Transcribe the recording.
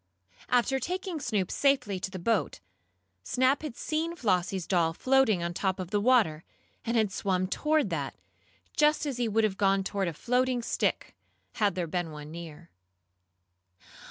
After taking Snoop safely to the boat, Snap had seen Flossie's doll floating on the top of the water, and had swum toward that, just as he would have gone toward a floating stick, had there been one near.